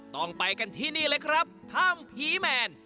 ต้องไปกันที่นี่เลยครับถ้ำผีแมน